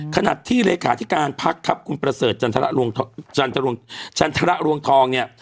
ขนาดที่เลขาอธิการภักดิ์ครับคุณประเสริฐจันทระรวงทอง